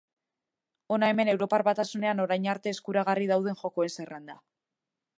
Hona hemen Europar Batasunean orain arte eskuragarri dauden jokoen zerrenda.